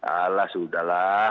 alah sudah lah